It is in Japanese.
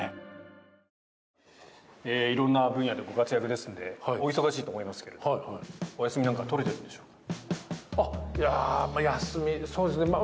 色んな分野でご活躍ですのでお忙しいと思いますがお休みなんかは取れてるんでしょうか。